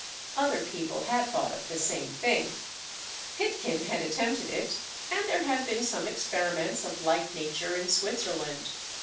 Other people had thought of the same thing. Pitkin had attempted it, and there had been some experiments of like nature in Switzerland.